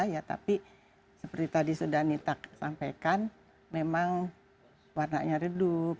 ya tapi seperti tadi sudah nita sampaikan memang warnanya redup